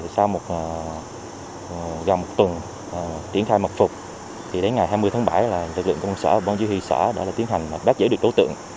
sau gần một tuần triển khai mật phục ngày hai mươi tháng bảy lực lượng công an xã bong dĩ huy xã đã tiến hành bắt giữ đối tượng